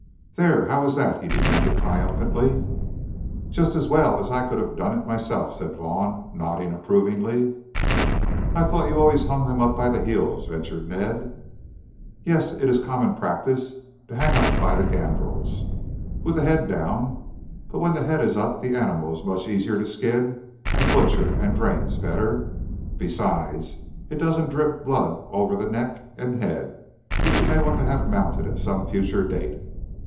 "There! How is that?" he demanded triumphantly. "Just as well as I could have done it myself," said Vaughn, nodding approvingly. "I thought you always hung them up by the heels," ventured Ned. "Yes, it is common practice to hang up by the gambrels, with the head down, but when hung head up the animal is much easier to skin and butcher, and drains better. Besides, it doesn't drip blood over the neck and head, which you may want to have mounted at some future date.